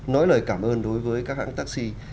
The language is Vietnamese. nói lời cảm ơn đối với các hãng taxi